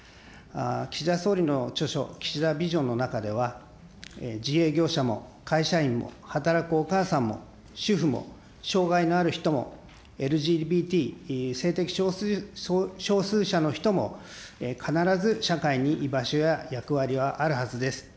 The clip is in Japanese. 岸田総理の著書、岸田ビジョンの中では、自営業者も会社員も働くお母さんも主婦も障害のある人も、ＬＧＢＴ性的少数者の人も、必ず社会に居場所や役割はあるはずです。